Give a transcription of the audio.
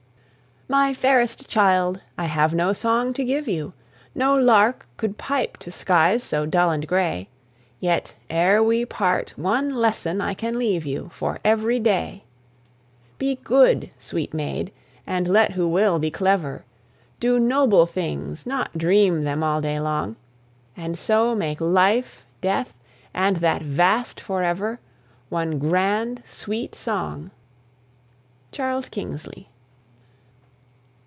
My fairest child, I have no song to give you; No lark could pipe to skies so dull and gray; Yet, ere we part, one lesson I can leave you For every day. Be good, sweet maid, and let who will be clever; Do noble things, not dream them all day long: And so make life, death, and that vast forever One grand, sweet song. CHARLES KINGSLEY.